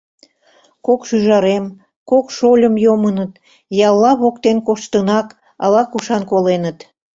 Кок шӱжарем, кок шольым йомыныт... ялла воктен коштынак, ала-кушан коленыт.